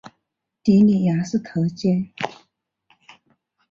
的里雅斯特街。